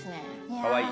かわいい。